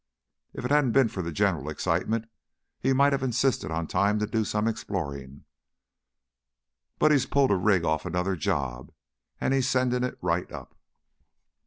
If it hadn't of been for the general excitement, he might of insisted on time to do some exploring, but he's pulled a rig off another job and he's sending it right up."